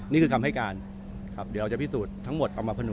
นี่คือคำให้การครับเดี๋ยวเราจะพิสูจน์ทั้งหมดเอามาผนว